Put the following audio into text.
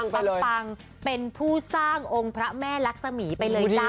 ปังเป็นผู้สร้างองค์พระแม่ลักษมีไปเลยจ้ะ